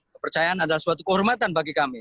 kepercayaan adalah suatu kehormatan bagi kami